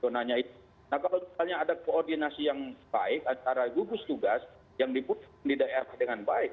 nah kalau misalnya ada koordinasi yang baik antara gugus tugas yang dibutuhkan di daerah dengan baik